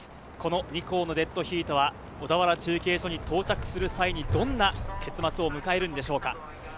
２校のデッドヒートは小田原中継所に到着する際、どんな結末を迎えるでしょうか。